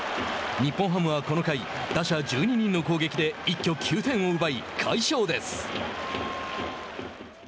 日本ハムはこの回打者１２人の攻撃で一挙９点を奪い、快勝です。